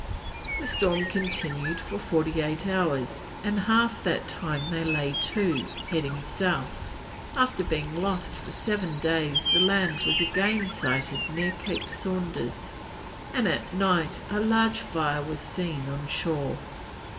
The storm continued for forty eight hours, and half that time they lay to, heading south. After being lost for seven days the land was again sighted near Cape Saunders, and at night a large fire was seen on shore.